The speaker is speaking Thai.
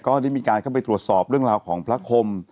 ก็ได้มีการเข้าไปตรวจสอบเรื่องราวของพระคม